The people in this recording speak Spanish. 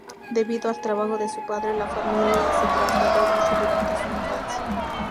Debido al trabajo de su padre, la familia se trasladó mucho durante su infancia.